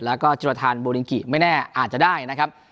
แล้วก็จุรทานโบลิงกิไม่แน่อาจจะได้นะครับ